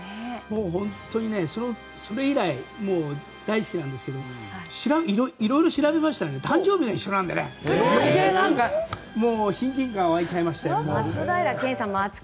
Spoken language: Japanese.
本当に、それ以来大好きなんですけどいろいろ調べたら誕生日が一緒なので余計、親近感が湧いてしまいまして。